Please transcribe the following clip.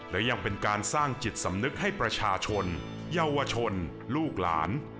และยังเป็นการสร้างจิตสำนึกให้ประชาชนเยาวชนลูกหลาน